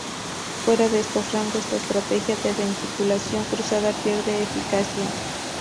Fuera de estos rangos la estrategia de ventilación cruzada pierde eficacia.